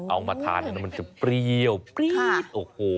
เอามาทานมันจะเปรี้ยวปรี๊ดโอ้โห